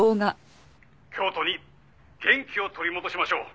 「京都に元気を取り戻しましょう」